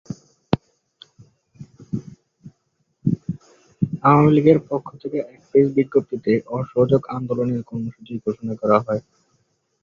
আওয়ামী লীগের পক্ষ থেকে এক প্রেস বিজ্ঞপ্তিতে অসহযোগ আন্দোলনের কর্মসূচি ঘোষণা করা হয়।